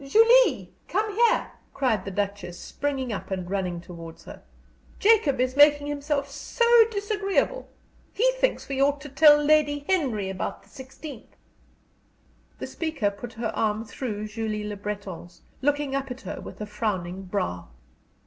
"Julie, come here!" cried the Duchess, springing up and running towards her. "Jacob is making himself so disagreeable. He thinks we ought to tell Lady Henry about the 16th." The speaker put her arm through Julie Le Breton's, looking up at her with a frowning brow.